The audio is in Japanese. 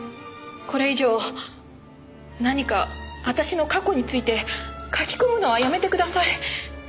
これ以上何か私の過去について書き込むのはやめてください。